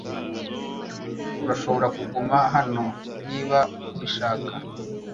Urashobora kuguma hano niba ubishaka .